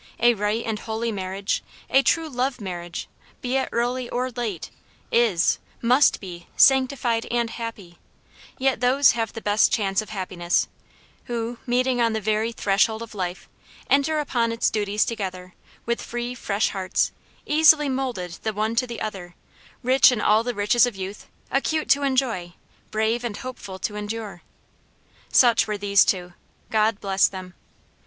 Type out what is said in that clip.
A right and holy marriage, a true love marriage, be it early or late, is must be sanctified and happy; yet those have the best chance of happiness, who, meeting on the very threshold of life, enter upon its duties together; with free, fresh hearts, easily moulded the one to the other, rich in all the riches of youth, acute to enjoy, brave and hopeful to endure. Such were these two God bless them!